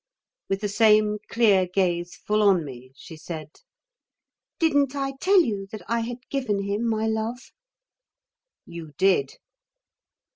With the same clear gaze full on me she said: "Didn't I tell you that I had given him my love?" "You did."